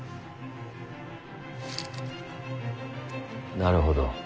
なるほど。